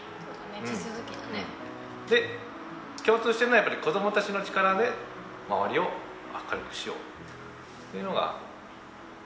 で共通しているのはやっぱり子どもたちの力で周りを明るくしようっていうのが。